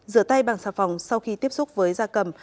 rửa tay bằng xà phòng sau khi tiếp xúc với da cầm